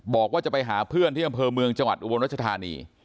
บอกว่าจะไปหาเพื่อนที่อำเภอเมืองจังหวัดอุบลรัชธานี